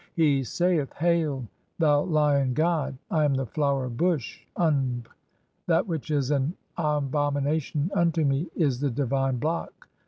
He saith :— "Hail, thou Lion god ! I am the Flower Bush (Unb). That "which is an abomination unto me is the divine block.